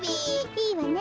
いいわね。